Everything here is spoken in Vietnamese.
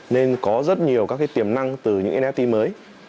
nên có rất nhiều các cái tiềm năng từ những cái nft mới